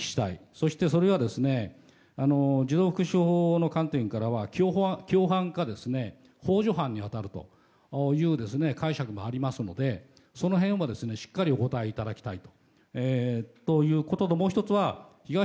そしてそれが児童福祉法の観点から共犯か幇助犯に当たるという解釈もありますのでその辺をしっかりお答えいただきたい。